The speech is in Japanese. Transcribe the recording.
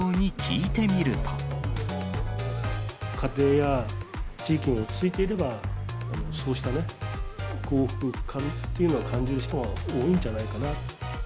家庭や地域が落ち着いていれば、そうした幸福感ってのを感じる人が多いんじゃないかな。